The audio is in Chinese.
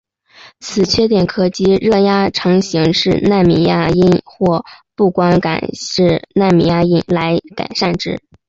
此缺点可藉热压成形式奈米压印或步进光感式奈米压印来改善之。